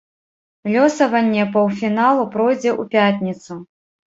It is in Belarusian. Лёсаванне паўфіналу пройдзе ў пятніцу.